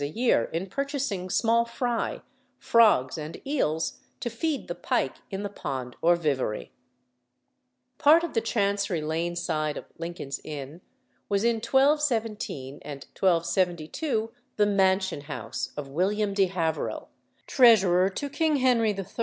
a year in purchasing small fry, frogs, and eels, to feed the pike in the pond or vivary. Part of the Chancery Lane side of Lincoln's Inn was in 1217 and 1272 "the mansion house" of William de Haverhill, treasurer to King Henry III.